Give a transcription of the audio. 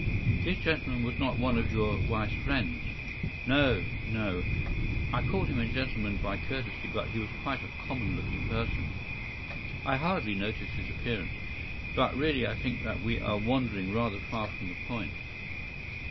” “This gentleman was not one of your wife’s friends?” “No, no; I call him a gentleman by courtesy, but he was quite a common looking person. I hardly noticed his appearance. But really I think that we are wandering rather far from the point.